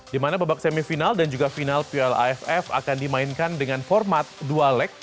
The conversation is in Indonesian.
dimana babak semifinal dan juga final plaff akan dimainkan dengan format dual leg